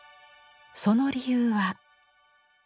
その理由は？